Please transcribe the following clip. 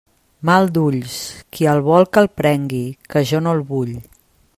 Mal d'ulls, qui el vol que el prengui, que jo no el vull.